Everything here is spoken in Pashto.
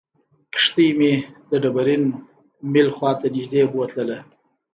کښتۍ مې د ډبرین میل خواته نږدې بوتلله.